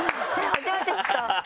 初めて知った！